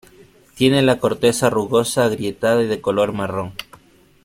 Tiene la corteza rugosa, agrietada y de color marrón.